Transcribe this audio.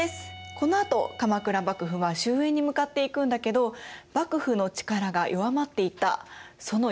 このあと鎌倉幕府は終えんに向かっていくんだけど幕府の力が弱まっていったその要因って何だと思いますか？